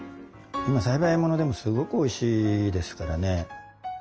今栽培ものでもすごくおいしいですからね。